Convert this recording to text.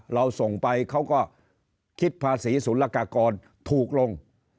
เราส่งไปเขาก็คิดภาษีศูนย์ละกากรถูกลง